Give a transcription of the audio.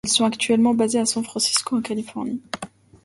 Ils sont actuellement basés à San Francisco, en Californie.